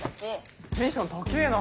テンション高ぇな。